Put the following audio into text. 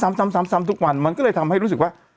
ซ้ำทุกวันมันก็เลยทำให้รู้สึกว่า